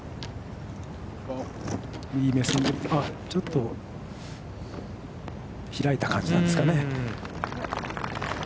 ちょっと開いた感じなんですかね。